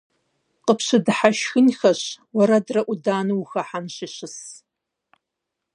Къыпщыдыхьэшхынхэщ, уэрэдрэ Ӏуданэу ухахьэнщи щыс.